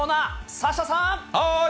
サッシャさん。